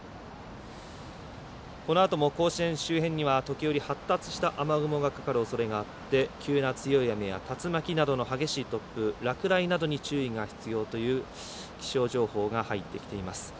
このあとも甲子園周辺には時折、発達した雲がかかることになっており急な強い雨や竜巻などの激しい突風、落雷などに必要という気象情報が入ってきています。